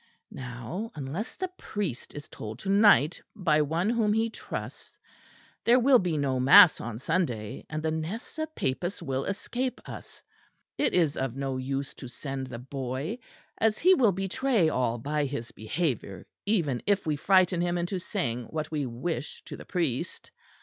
Now unless the priest is told to night by one whom he trusts, there will be no mass on Sunday, and the nest of papists will escape us. It is of no use to send the boy; as he will betray all by his behaviour, even if we frighten him into saying what we wish to the priest.